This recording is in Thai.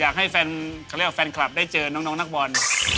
อยากให้แฟนคลับได้เจอน้องนักบอล